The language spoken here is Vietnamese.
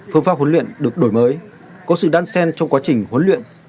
phương pháp huấn luyện được đổi mới có sự đan sen trong quá trình huấn luyện